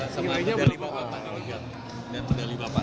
semainya mendali bapak